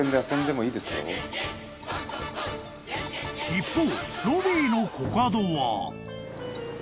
［一方］